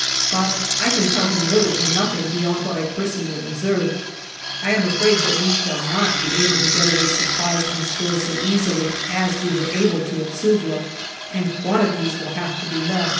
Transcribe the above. But I can tell him little or nothing beyond what I personally observed. I am afraid that we shall not be able to get away supplies and stores so easily as we were able to at Suvla, and quantities will have to be left.